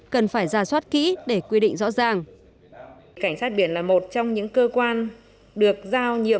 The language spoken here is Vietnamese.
cần phải ra soát kỹ để quy định rõ ràng